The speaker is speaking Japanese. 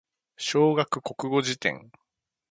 小学国語辞典